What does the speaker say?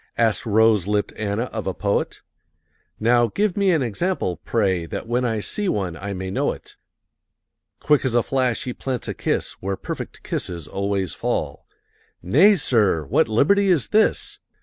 Asked rose lipped Anna of a poet. "Now give me an example, pray, That when I see one I may know it." Quick as a flash he plants a kiss Where perfect kisses always fall. "Nay, sir! what liberty is this?"